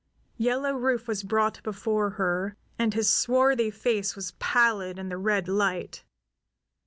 Yellow Rufe was brought before her, and his swarthy face was pallid in the red light.